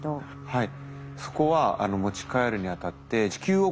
はい。